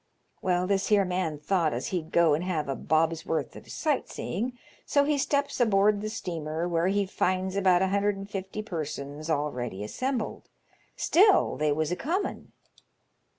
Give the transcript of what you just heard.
Well, this here man thought as he'd go and have a bob's worth of sight seeing, so he steps aboard the steamer, where he finds about a hundred and fifty persons already assembled. Still they was a comin.'